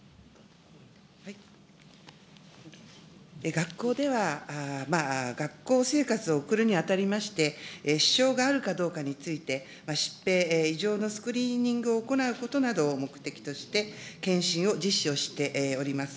学校では、学校生活を送るにあたりまして、支障があるかどうかについて、疾病、異常のスクリーニングを行うことなどを目的として、健診を実施をしております。